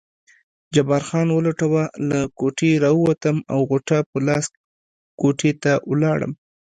جبار خان ولټوه، له کوټې راووتم او غوټه په لاس کوټې ته ولاړم.